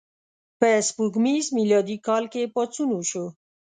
په سپوږمیز میلادي کال کې پاڅون وشو.